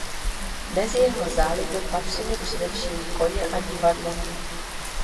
Mezi jeho záliby patřili především koně a divadlo.